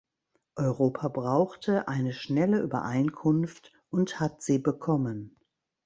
Europa brauchte eine schnelle Übereinkunft und hat sie bekommen.